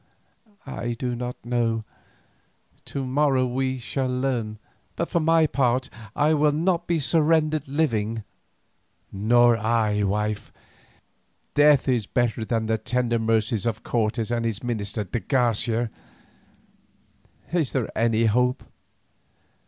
"I do not know; to morrow we shall learn, but for my part I will not be surrendered living." "Nor I, wife. Death is better than the tender mercies of Cortes and his minister, de Garcia. Is there any hope?"